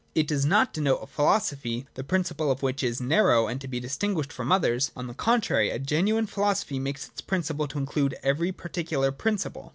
It does not denote a philosophy, the principle of which is narrow and to be distinguished frpm others. On the contrary, a genuine philosophy makes it a principle to include every particular principle. 15.